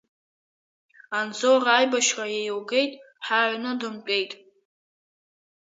Анзор аибашьра еилгеит ҳәа аҩны дымтәеит.